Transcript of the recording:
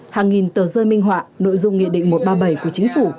hàng nghìn tờ rơi minh họa nội dung nghị định một trăm ba mươi bảy của chính phủ